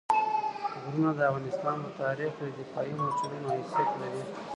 غرونه د افغانستان په تاریخ کې د دفاعي مورچلونو حیثیت لري.